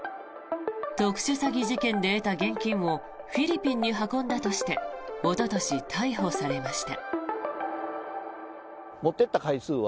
特殊詐欺事件で得た現金をフィリピンに運んだとしておととし、逮捕されました。